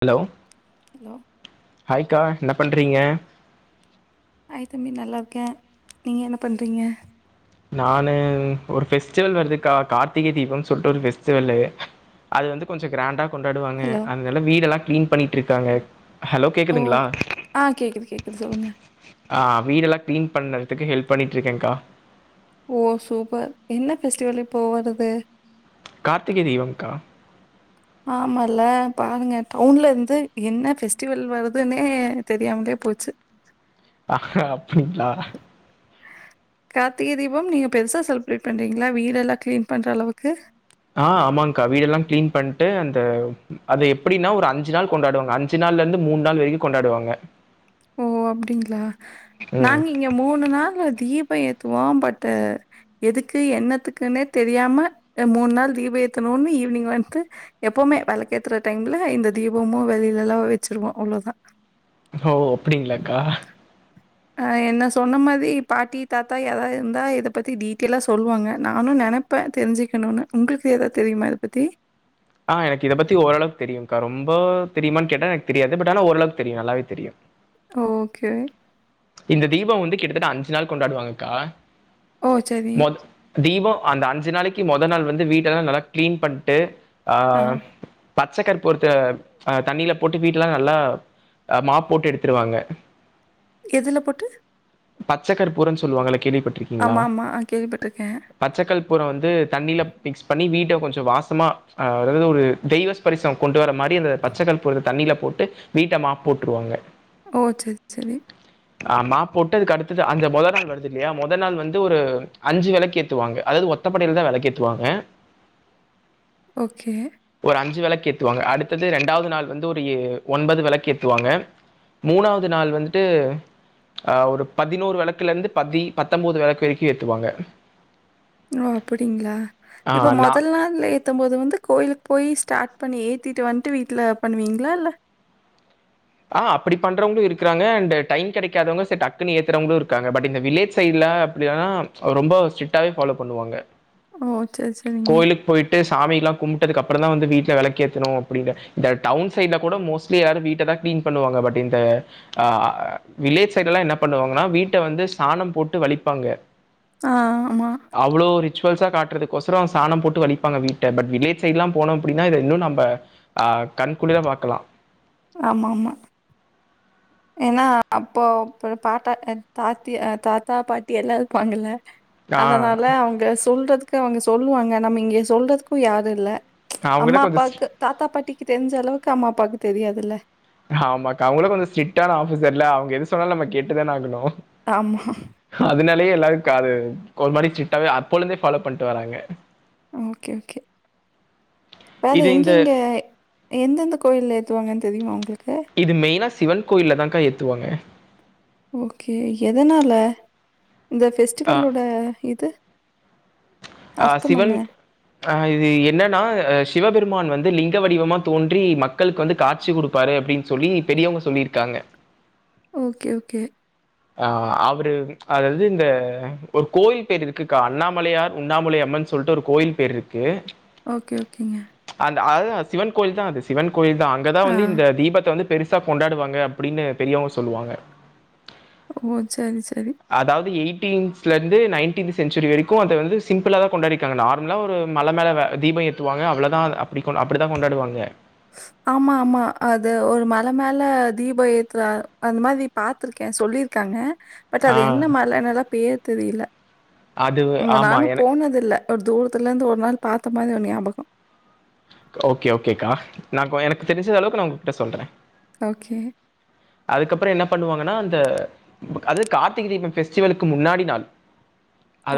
Hello hello ஹாய்கா என்ன பண்றீங்க ஹாய் தம்பி நல்லா இருக்கே நீங்க என்ன பண்றீங்க நான ஒரு ஃபெஸ்டிவல் வருதுக்கா கார்த்திகை தீபம் சொல்ட்டு ஒரு ஃபெஸ்டிவலு அது வந்து கொஞ்சோ கிராண்டா கொண்டாடுவாங்க ஹலோ அதனால வீடெல்லா கிளீன் பண்ணிட்டு இருக்காங்க ஓ அ கேட்குது கேட்குது சொல்லுங்க அ வீடெல்லா கிளீன் பண்ணறதுக்கு ஹெல்ப் பண்ணிட்டு இருக்கேங்க்கா ஓ சூப்பர் என்ன ஃபெஸ்டிவல்இப்ப வருது கார்த்திகைதீபம்கா ஆமால்ல பாருங்க டவுன்ல இருந்து என்ன ஃபெஸ்டிவல் வருதுன்னே தெரியாமலே போச்சு அ அப்டிங்களா கார்த்திகை தீபம் நீங்க பெருசா செலிப்ரேட் பண்றிங்களா வீடெல்லா க்ளீன் பண்ற அளவுக்கு ஆ ஆமாக்கா வீடெல்லா கிளீன் பண்ணிட்டு அந்த அது எப்டின்னா ஒரு அஞ்சு நாள் கொண்டாடுவாங்க அஞ்சு அஞ்சு நாள்ல இருந்து மூணு நாள் வரைக்கு கொண்டாடுவாங்க ஓ அப்டிங்களா ம். நாங்க இங்க மூணு நாள் தீபோ ஏத்துவோ பட் எதுக்கு என்னத்துக்குன்னே தெரியாம அ மூணு நாள் தீப ஏத்தணுன்னு ஈவினிங் வந்து எப்பவுமே வெளக்கேத்துற டைம்ல இந்த தீபமும் வெளியிலலா வச்சுருவோ அவ்வளவுதான் ஓ அப்படிங்களாக்கா அ என்ன சொன்ன மாரி பாட்டி தாத்தா ஏதாவது இருந்தா இத பத்தி டீடையிலா சொல்லுவாங்க நானு நென ப்ப தெரிஞ்சுக்கணுன்னு உங்களுக்கு ஏதாது தெரியுமா அத பத்தி ஆ எனக்கு இத பத்தி ஓரளவுக்கு தெரியுங்க்கா ரொம்ப தெரியுமான் கேட்டா எனக்கு தெரியாது பட் ஆனா ஓரளவுக்கு தெரியு நல்லாவே தெரியு ஓ ஓகே இந்த தீபோ வந்து கிட்டத்தட்ட அஞ்சு நாள் கொண்டாடுவாங்கக்கா ஓ! சரி. மொத் தீபோ அந்த அஞ்சு நாளைக்கி மொதல் நாள் வந்து வீட்டலெல்லா நல்லா கிளீன் பண்ட்டு அ ஆ. பச்சக்கற்புரத்த தண்ணியில போட்டு வீட்டலா நல்லா மாஃப் போட்டு எடுத்துருவாங்க எதுல போட்டு பச்சக் கர்பூரன்னு சொல்லுவாங்களல்ல கேள்விபட் ஆமாமா அ கேள்விப்பட்டட்டுருக்கே பச்சக்கற்பூறோ வந்து தண்ணியில மிக்ஸ் பண்ணி வீட்ட கொஞ்சோ வாசமா அ அதாவது ஒரு தெய்வை ஸ்பரிசோ கொண்டு வர மாதிரி இந்த பச்சைகற்பூரத்த தண்ணியில போட்டு வீட்ட மாஃப் போட்டுருவாங்க ஓ செரி செரி ஆ மாஃப் போட்டு அதுக்கு அடுத்தது அந்த மொதல் நாள் வருதில்லையா மொதல் நாள் வந்து ஒரு அஞ்சு வெளக்கேத்துவாங்க அதாவது ஒத்தப்படையில தா வெளக்கேத்தவாங்க ஓகே ஒரு அஞ்சு வெளக்கேத்துவாங்க அடுத்தது ரெண்டாவது நாள் வந்து ஒரு எ ஒன்பது வெளக்கேத்துவாங்க மூணாவது நாள் வந்துட்டு ஆ ஒரு பதினோரு வெளக்குலருந்து பதி பத்தொம்பது வெளக்கு வரைக்கு ஏத்துவாங்க ஓ அப்படிங்களா ஆ இப்ப நான் மொதல் நாள் இல் ஏத்தும் போது வந்து கோயிலுக்கு போய் ஸ்டார்ட் பண்ணி ஏத்திட்டு வந்துட்டு வீட்ல பண்ணுவீங்களா இல்ல ஆ அப்படி பண்றவங்களு இருக்காங்க அண்ட் டையோ கெடைக்காதவங்க செர் டக்குன்னு ஏத்துறவங்களு இருக்காங்க பட் இந்த வில்லேஜ் சைட்ல அப்படி ஆனா ரொம்ப ஸ்ட்ரிக்டாவே ஃபாலோ பண்ணுவாங்க ஓ செரி செரிங்க கோயிலுக்கு போயிட்டு சாமியேல்லா கும்புட்டதுக்கு அப்புறோ தா வந்து வீட்ல வெளக்கேத்தணு அப்ப இந்த டவுன் சைட்ல கூட மோஸ்லி யாரு வீட்ட தா கிளீன் பண்ணுவாங்க பட் இந்த ஆ வில்லேஜ் சைடெல்லா என்ன பண்ணுவாங்கன்னா வீட்ட வந்து சாணம் போட்டு வலிப்பாங்க ஆ ஆமா அவ்ளோவு ரிச்சுவல்ஸா காட்டுறதுக்கோசரோ சாணோ போட்டு வலிப்பாங்க வீட்ட பட் வில்லேஜ் சைடெல்ல போனோ அப்டின்னா இது இன்னு நம்ப அ கண்குளிற பாக்கலா ஆமா ஆமா ஏன்னா அப்போ ப்ப பாட்டா தாத்தி் அ தாத்தா பாட்டியெல்லா இருப்பாங்கள்ல ஆஹ், அதனால அவங்க சொல்றதுக்கு அவங்க சொல்லுவாங்க நம்ம இங்க சொல்றதுக்கு யாருல்ல அவங்ககிட்ட அம்மா கொஞ்சம் அப்பாவுக்கு தாத்தா பாட்டிக்கு தெரிஞ்ச அளவுக்கு அம்மா அப்பாவுக்கு தெரியாதுல்ல ஆமாக்கா அவங்களு கொஞ்சோ ஸ்ட்ரிக்டான ஆபீசர்ல்ல அவுங்க எது சொன்னாலு நம்ம கேட்டுதான ஆகணு ஆமா அதனாலயே எல்லாருக்கு அது ஒரு மாடி சிட்டாவே அப்போழுந்தே ஃபாலோ பண்ணிட்டு வராங்க ஓகே ஓகே வேற இது இந்த எங்கேங்க எந்தெந்த கோயில்ல ஏத்துவாங்கன்னு தெரியுமா உங்களுக்கு இது மெயினா சிவன் கோயில் தாங்க்கா ஏத்துவாங்க ஓகே எதனால இந்த அ ஃபெஸ்டிவலோட இது அ அர்த்தம் என்ன? சிவன் அ இது என்னனா சிவபெருமான் வந்து லிங்க வடிவமா தோன்றி மக்களுக்கு வந்து காட்சி குடு பாரு அப்டின் சொல்லி பெரியவங்க சொல்லிருக்காங்க ஓகே ஓகே ஆ அவரு அதாவது இந்த ஒரு கோயில் பேர் இருக்குக்கா அண்ணாமலையார் உண்ணாமலை அம்மன் சொல்ட்டு ஒரு கோயில் பேர் இருக்கு ஓகே ஓகேங்க அந்த அதுதா சிவன் கோயில தா அது சிவன் கோயில தா அங்கதா ஆ. வந்து இந்த தீபத்த வந்து பெருசு கொண்டாடுவாங்க அப்டின்னு பெரியவங்க சொல்லுவாங்க ஓ சரி சரி அதாவது எயிட்டீன்ஸ்ல இருந்து நைன்டீன் சென்சுரி வரைக்கு அத வந்து சிம்பிளாதா கொண்டாடிருக்காங்க நார்மலா ஒரு மல மேல தீபம் ஏத்துவாங்க அவ்ளோதா அப்டி கொ அப்படி தா கொண்டாடுவாங்க ஆமா ஆமா அது ஒரு மல மேல தீப ஏத்துற அந்த மாரி பாத்திருக்கே சொல்லிருக்காங்க பட் ஆ அது என்ன மலன்னல்லா பேர் தெரியல அது இங்க ஆமா. நானு என போனதில்ல ஒரு தூரத்துல இருந்து ஒரு நாள் பாத்த மாரி ஒரு ஞாபகம் ஓகே ஓகேக்கா நா கொஞ்சோ எனக்கு தெரிஞ்ச அளவுக்கு நா உங்ககிட்ட சொல்ற ஓகே அதுக்கப்பற என்ன பண்ணுவாங்கன்னா அந்த அது கார்த்திகை தீபம் பெஸ்டிவலுக்கு முன்னாடி நாள்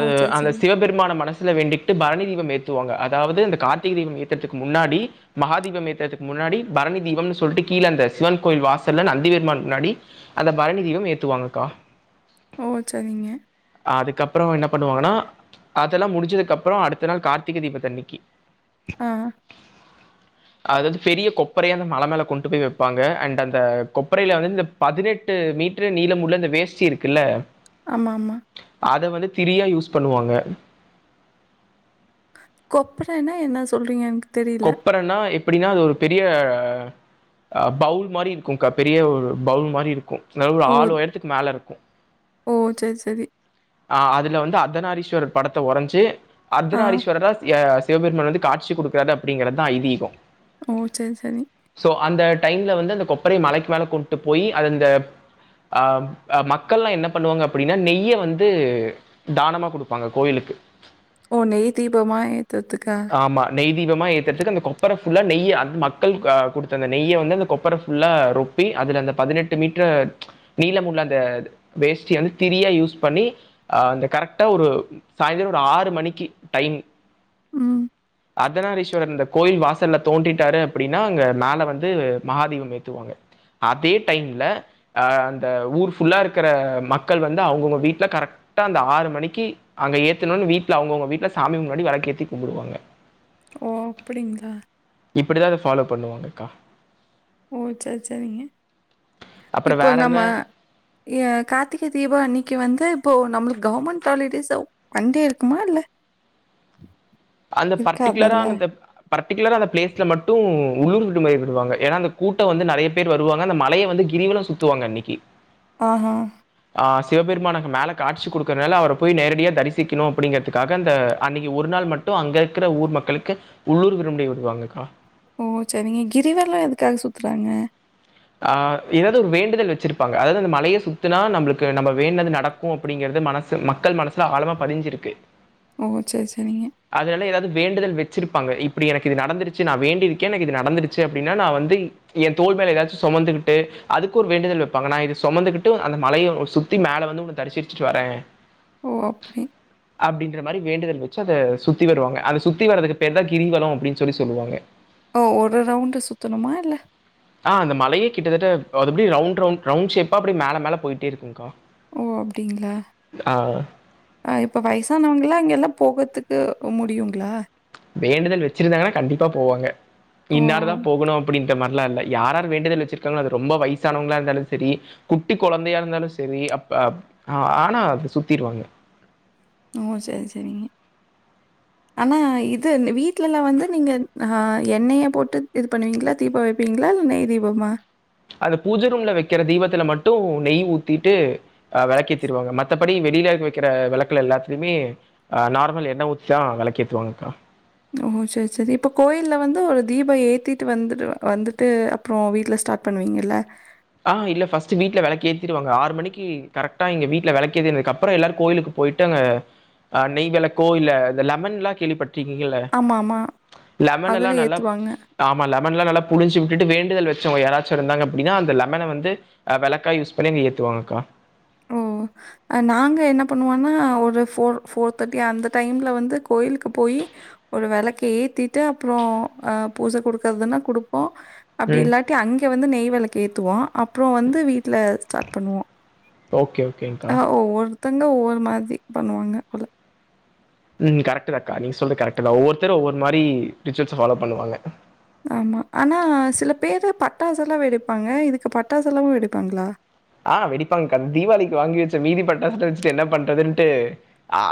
ஓ! சரி, அந்த சரி. சிவ பெருமான மனசுல வேண்டிகிட்டு பரணி தீபம் ஏத்துவாங்க அதாவது இந்த கார்த்திகை தீபம் ஏத்தறதுக்கு முன்னாடி மகாதீபம் ஏத்துறதுக்கு முன்னாடி பரணி தீபம்னு சொல்ட்டு கீழ அந்த சிவன் கோயில் வாசல்ல நந்திர் முன்னாடி அந்த பரணி தீபம் ஏத்துவாங்கக்கா ஓ சரிங்க அதுக்கப்பறம் என்ன பண்ணுவாங்கனா அதெல்லா முடிஞ்சதுக்கு அப்பற அடுத்த நாள் கார்த்திகை தீபத்தன்னைக்கு ஆ அதாவது பெரிய கொப்பரைய அந்த மல மேல கொண்டு போய் வப்பாங்க அண்ட் அந்த கொ கொப்பறைல வந்து இந்த பதினெட்டு மீட்டரு நீளம் உள்ள இந்த வேஸ்ட்டி இருக்குல்ல ஆ மா மா அத வந்து திரியா யூஸ் பண்ணுவாங்க கொப்பறன்னா என்ன சொல்றீங்க எனக்கு தெரியல. கொப்பறனா அப்டின்னா அது ஒரு பெரிய பவுல் மாரி இருக்குகா பெரிய ஒரு பவுல் மாரி இருக்கு கிளவ்டு ஓ! ஆள் உயரத்துக்கு மேல இருக்கு ஓ சர் சரி ஆ அதுல வந்து அர்த்தனாரீஸ்வரர் படத்த உரைஞ்சு ஆ. அர்த்தனாரீஸ்வராஸ் யஸ் சிவ பெருமான் வந்து காட்சி குடுக்கறது அப்டிங்கறதா ஐதீகோ ஓ சர் சரி சோ அந்த டைம்ல வந்து அந்த கொப்பரைய மலைக்கு மேல கொண்ட்டு போயி அதுந்த ஆம் அ மக்கள்லா என்ன பண்ணுவாங்க அப்டின்னா நெய்ய வந்து தானமா குடுப்பாங்க கோயிலுக்கு ஓ நெய் தீபமா எத்துறத்துக்கா ஆமா நெய்தீபமா ஏத் எத்துக்க அந்த கொப்பர ஃபுல்லா நெய் அது மக்கள் குடுத்த அந்த நெய்ய வந்து அந்த கொப்பர ஃபுல்லா ரொப் சுத்தி அதுல அந்த பதினெட்டு மீட்டர் நீளம் உள்ள அந்த வேஸ்டிய வந்து திரியா யூஸ் பண்ணி அ அந்த கரெக்டா ஒரு சாய்ந்திரோ ஒரு ஆறு மணிக்கு டைம் ம். அதனா ரீ தொறந்த இந்த கோயில் வாசல்ல தோண்டிட்டாரு அப்டீன்னா அங்க மேல வந்து மஹாதீபம் ஏத்துவாங்க அதே டைம்ல அ அந்த ஊர் ஃபுல்லா இருக்குற மக்கள் வந்து அவங்கவுங்க வீட்ல கரெக்ட் டா அந்த ஆறு மணிக்கி அங்க ஏத்தணோனு வீட்ல அவுங்கவுங்க வீட்ல சாமி முன்னாடி வெலக்கேத்தி கும்புடுவாங்க ஓ அப்புடீங்களா இப்படிதா அத ஃபாலோ பண்ணுவாங்கக்கா ஓ செரி செரிங்க அப்புறம் இப்போ வேற நம்ம என்ன ஏ காத்திக தீபோ அன்னிக்கு வந்து இப்போ நம்முளுக்கு கவர்மெண்ட் ஹாலிடேஸோவ் வண்டே இருக்குமா இல்ல அந்த இருக்காதுல்ல. பர்டிகுலரானந்தப் பர்டிகுலரா அந்த ப்ளேஸ்ல மட்டோ உள்ளூர் விடுமுறை விடுவாங்க ஏன்னா அந்த கூட்டோ வந்து நறைய பேர் வருவாங்க அந்த மலைய வந்து கிரிவலம் சுத் த்துவாங் அண்ணிக்கி ஆஹா ஆ சிவபெருமானக்கு மேல காட்சி குடுக்குறதுனால அவர போய் நேரடியா தரிசிக்கணோ அப்பிடிங்கற் த்துக்காக அந்த அன்னிக்கு ஒரு நாள் மட்டு அங்க இருக்குற ஊர் மக்களுக்கு உள்ளூர் விடுமுறை விடுவாங்கக்கா ஓ செரிங்க கிரிவலோ எதுக்காக சுத்துறாங்க ஆ எதாவது ஒரு வேண்டுதல் வெச்சிருப்பாங்க அதாவது அந்த மலைய சுத்துனா நம்முளுக்கு நம்ம வேண்ட்னது நடக் கோ அப்டீங்கறது மனசு மக்கள் மனசுல ஆழமா பதிஞ்சிருக்கு ஓ செர் செரிங்க அதனால ஏதாவது வேண்டுதல் வெச்சிருப்பாங்க இப்பிடி எனக்கு இது நடந்துருச்சு நா வேண்டிருக்கே எனக்கு இது நடந்துருச்சு அப்டீன்னா நா வந்து ஏ தோல் மேல எதாச் சொமந்துகிட்டு அதுக்கு ஒரு வேண்டுதல் வெப்பாங்க நா இது சொமந்துகிட்டு அந்த மலைய சுத்தி மேல வந்து உன்ன தரிசிட்டு வரே ஓ அப்புடி அப்டின்ற மாரி வேண்டுதல் வெச்சு அத சுத்தி வருவாங்க அத சுத்தி வர்றதுக்கு பேர்தா கிரிவலோ அப்டீ சொல்லி சொல்லுவாங்க ஓ ஒரு ரவுண்டு சுத்தணுமா இல்ல ஆ அந்த மலையே கிட்டத்தட்டப் அது அப்டி ரவுண்ட் ரவுண்ட் ரவுண்ட் ஷேப்பா அப்டி மேல மேல போயிட்டே இருக்கோக்கா ஓ அப்டீங்களா ஆ இப்ப வயசானவங்களா இங்கல்லா போகத்துக்கு முடியுங்களா வேண்டுதல் வெச்சிருந்தாங்கன்னா கண்டிப்பா போவாங்க ஓ! இன்னாரு தா போகணோ அப்டீன்ற மாரிலா இல்ல யாரார் வேண்டுதல் வெச்சுருக்காங்களோ அது ரொம்ப வயசானவங்களா இருந்தாலு செரி குட்டி கொழந்தையா இருந்தாலு செரி அப் அப ஹா ஆனா அத சுத்திருவாங்க ஓ செரி செரிங்க ஆனா இது இந் வீட்லலா வந்து நீங்க அ எண்ணெய போட்டு இது பண்ணுவீங்களா தீப வெய்ப்பீங்களா இல்ல நெய் தீபமா அது பூஜ ரூம்ல வெக்கிற தீபத்துல மட்டோ நெய் ஊத்திட்டு அ வெளக் ஏத்திருவாங்க மத்தபடி வெளில வெக்கிற வெளக்குல எல்லாத்துலுமே ஆ நார்மல் எண்ண ஊத்திதா வெளக்கேத்து வாங்கக்கா ஓ செரி செரி இப்ப கோயில்ல வந்து ஒரு தீபோ ஏத்திட்டு வந்துடுவா வந்துட்டு அப் றோ வீட்ல ஸ்டார்ட் பண்ணுவீங்கல்ல ஆ இல்ல ஃபர்ஸ்ட்டு வீட்ல வெளக்க ஏத்திருவாங்க ஆறு மணிக்கு கரெக்டா எங்க வீட்ல வெளக்கு ஏதினதுக்கு அப்புறோ எல்லாரு கோயிலுக்கு போயிட்டு அங்க ஆ நெய் வெளக்கோ இல்ல இந்த லெமன்லா கேள்விப்பட் ருக்கீங்கள ஆமாமா. லெமன் எல்லா அதுல நல்லா ஏத்துவாங்க. ஆமா லெமன்லா புழுஞ்சு விட்டுட்டு வேண்டுதல் வச்சவங்க யாராச்சு இருந்தாங்க அப்டின்னா அந்த லெ மன வந்து ஆ வெளக்கா யூஸ் பண்ணி அங்க ஏத்துவாங்கக்கா ஓ ஆ நாங்க என்ன பண்ணுவோன்னா ஒரு ஃபோர் ஃபோர் தேர்ட்டி அந்த டைம்ல வந்து கோயிலுக்கு போய் ஒரு வெளக்கு ஏத்திட்டு அப்புற ஆ பூஜ குடுக்கறதுன்னா குடுப்போ அப்டி ம். இல்லாட்டி அங்க வந்து நெய் வெளக்கு ஏத்துவோ அப்புற வந்து வீட்ல ஸ்டார்ட் பண்ணுவோ ஓகே ஓகேங் ஆ ஒவ்வொருத்தவங்க ஒவ்வொரு மாதி பண்ணுவாங்க போல ம் கரெக்ட்டு தாக்கா நீங் சொல்றது கரெக்ட்டுதா ஒவ்வொருத்தர் ஒவ்வொரு மாரி ரிச்சுவல்ஸ ஃபாலோ பண்ணுவாங்க ஆமா ஆனா சில பேரு பட்டாசு எல்லா வெடிப்பாங்க இதுக்கு பட்டாசு எல்லாமு வெடிப்பாங்களா ஆ வெடிப்பாங்காங்கக்கா அது தீபாவளிக்கி வாங்கி வச்ச மீதி பட்டாசு வச்சுட்டு என்ன பண்றதுன்ட்டு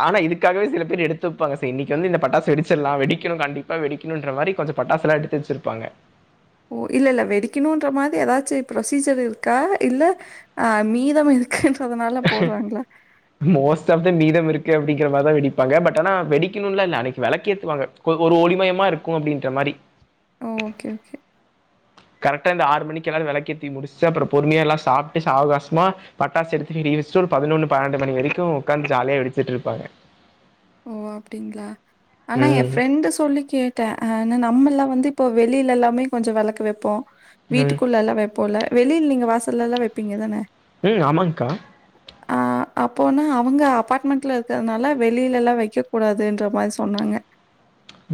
ஆனா இதுக்காகவே சில பேரு எடுத்து வப்பாங்க சேரி இன்னைக்கு வந்து இந்த பட்டாச வெடிச்சிட்லாம் வெடிக்கணு கண்டிப் பா வெடிக்கணுன்ற மாரி கொஞ்ச பட்டாசெல்லா எடுத்து வச்சிருப்பாங்க ஓ இல்லல்ல வெடிக்கணுன்ற மாரி ஏதாச்சு ப்ரொசீஜர் இருக்கா இல்ல ஆ மீதம் இருக்குன்றதுனால போட்றாங்களா மோஸ்ட் ஆஃப் த மீதம் இருக்கு அப்டிங்கிற மாரிதா வெடிப்பாங்க பட் ஆனா வெடிக்கணும்லா இல்ல அன்னைக்கு வெளக்கு ஏத்துவாங்க ஒரு ஒளிமயமா இருக்கு அப்டின்ற மாரி ஓகே ஓகே கரெக்டா இந்த ஆறு மணிக்கு எல்லாரு வெளக்கேத்தி முடிச்சுட்டு அப்புற பொறுமையா எல்லா சாப்ட்டு சாவுகாசமா பட்டாசு எடுத்து வெளிய வச்சிட்டு ஒரு பதினொன்னு பன்னெண்டு மணி வரைக்கு உக்காந்து ஜாலியா வெடிச்சிட்டு இருப்பாங்க ஓ அப்டிங்களா ஆனா ஏ ம். ஃப்ரெண்டு சொல்லி கே ட்ட ஆனா நம்மள்லா வந்து இப்போ வெளில எல்லாமே கொஞ்ச வெளக்கு வப்போ ம். வீட்டுக்குள்ள எல்லாம் வைப் போல வெளியில நீங்க வாசல்லல்லா வெப்பீங்க தான ம் ஆமாங்க்கா ஆ அப்போனா அவங்க அப்பார்ட்மெண்ட்ல இருக்கறனால வெளி வெளியில எல்லா வக்கக் கூடாதுன்ற மாரி சொன்னாங்க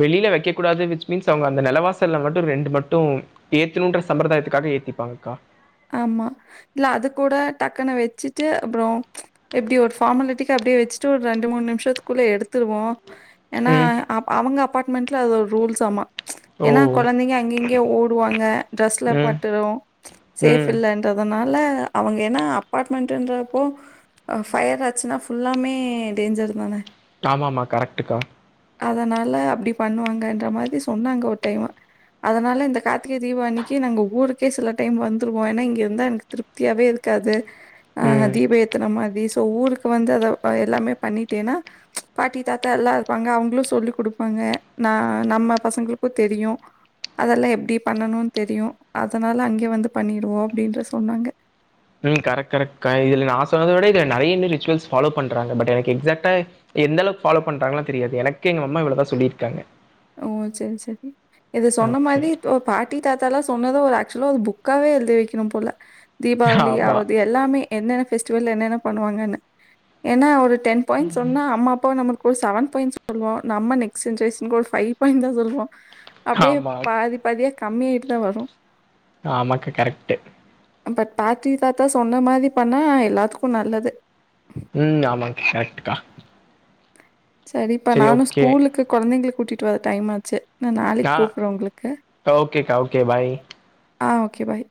வெளியில வெக்கக் கூடாது விச் மீன்ஸ் அவுங்க அந்த நெலவாசல்ல மட்டு ரெண்டு மட்டு ஏத்தணுன்ற சம்பிரதாயத்துக்காக ஏத்திப்பாங்கக்கா ஆமா இல்ல அது கூட டக்குனு வச்சுட்டு அப்புற எப்டி ஒரு ஃபார்மலிட்டிக்கு அப்டியே வச்சுட்டு ஒரு ரெண்டு மூணு நிமிஷத்துக்குள்ள எடுத்துருவோ ஏன்னா ம். அப் அவங்க அப்பார்ட்மெண்ட்ல அது ஒரு ரூல்ஸ்ஸாமா ஓ! ஏன்னா கொழந்தைங்க அங்க இங்க ஓடுவாங்க ட்ரெஸ்ல ம். பட்டுரு சேஃப் ம். இல்லன்றதுனால அவங்க ஏன்னா அப்பார்ட்மெண்டுன்றப்போ ஆ ஃபயர் ஆச்சுனா ஃபுல்லாமே டேஞ்சர் தான ஆமா ஆமா கரெக்ட்டுக்கா அதனால அப்டி பண்ணுவாங்கன்ற மாதி சொன்னாங்க ஒரு டைமு அதனால இந்த கார்த்திகை தீபம் அன்னிக்கு நாங்க ஊருக்கே சில டைம் வந் துருவோ ஏன்னா இங்க வந்தா எனக்கு திருப்தியாவே இருக்காது ஆ ம். தீப ஏத்துன மாதி சோ ஊருக் க்கு வந்து அத ஆ‌ எல்லாமே பண்ணிட்டேன்னா பாட்டி தாத்தா எல்லா இருப்பாங்க அவுங்களு சொல்லி் குடுப்பாங்க ந நம்ம பசங்களுக்கு தெரியு அதெல்லா எப்டி பண்ணணுன்னு தெரியு அதனால அங்கே வந்து பண்ணிடுவோ அப்டினு சொன்னாங்க ம் கரெக்ட் கரெக்ட்க்கா இதுல நா சொன்னத விட இதுல நெறைய இன்னு ரிச்சுவல்ஸ் ஃபாலோ பண்றாங்க பட் எனக்கு எக்ஸாக்ட்டா எந்தளவுக் ஃபாலோ பண்றாங்கல்லா தெரியாது எனக்கு எங்கம்மா இவ்ளோதா சொல்லிருக்காங்க ஓ சேரி சேரி இது சொன்ன ஓகே. மாதி தோ பாட்டி தாத்தா லா சொன்னது ஒர் அக்சுவ்லா ஒர் புக்காவே எழுதி வெக்கணு போல தீபாவளி ஆமா. ஆவ்து எல்லாமே என்னென ஃபெஸ்டிவ்வல் என்னென்ன பண்ணுவாங்கன்னு ஏனா ஒரு டென் பாய்ன் ம். சொன்ன அம்மா அப்பாவ நம்ம ஒரு செவன் பாய்ண்ஸ் சொல்வோ நம்ம நெக்ஸ் சென்ரேசன்க்கு ஒரு ஃபைவ் பாய்ண் தா சொல்வோ அப்டியே ஆமா. பாதி பாதியா கம்மி ஆய்ட்டு தா வரு ஆமாக்கா கரெக்ட்டு நம்ப தாற்றி தாத்தா சொன்ன மாதி பண்ணா எல்லாத்துக்கு நல்லது ம் ஆமாங் கரெக்ட்க்கா செரிப்பா சரி நானு ஓகே. ஸ்கூலுக்கு கொழந்தைங்கள கூட்டிட்டு வர டைம் ஆச்சு நா நாளைக் ஆ கூப்ர்ற உங்களுக்கு ஓகேக்கா. ஓகே. பாய். ஆ ஓகே பாய்